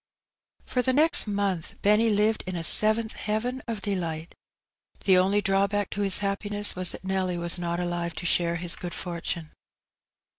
For the next montli Benny lived in a seventh heaven of delight. The only drawback to his happiness was that Nelly was not alive to share his good fortune.